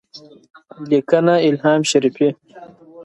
لیکنه: الهام شریفی